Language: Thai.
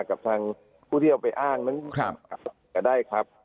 กับทางผู้ที่เอาไปอ้างนั้นก็ได้ครับ